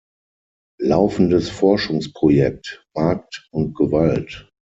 Laufendes Forschungsprojekt: Markt und Gewalt.